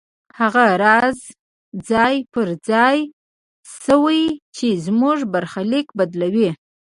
هغه راز ځای پر ځای شوی چې زموږ برخليک بدلوي.